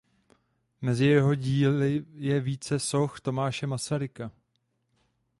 Mezi jeho díly je více soch Tomáše Masaryka.